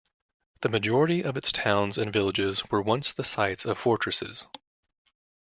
The majority of its towns and villages were once the sites of fortresses.